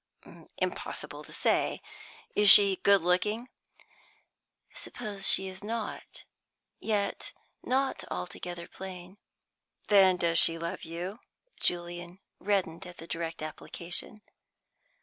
"Impossible to say. Is she good looking?" "Suppose she is not; yet not altogether plain." "Then does she love you?" Julian reddened at the direct application.